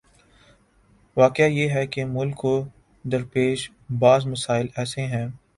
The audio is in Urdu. واقعہ یہ ہے کہ ملک کو درپیش بعض مسائل ایسے ہیں۔